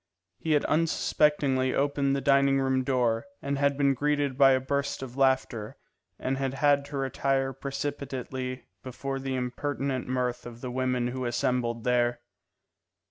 He had unsuspectingly opened the dining room door, and had been greeted by a burst of laughter, and had had to retire precipitately before the impertinent mirth of the women who were assembled there.